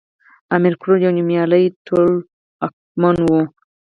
امير کروړ يو نوميالی ټولواکمن وی